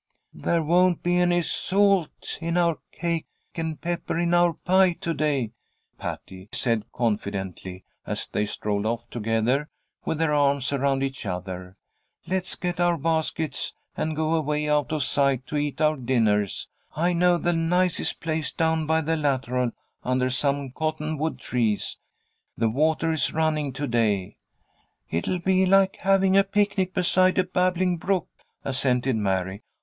"There won't be any salt in our cake and pepper in our pie to day," Patty said, confidently, as they strolled off together with their arms around each other. "Let's get our baskets, and go away off out of sight to eat our dinners. I know the nicest place down by the lateral under some cottonwood trees. The water is running to day." "It'll be like having a picnic beside a babbling brook," assented Mary.